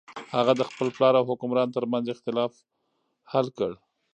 هغه د خپل پلار او حکمران تر منځ اختلاف حل کړ.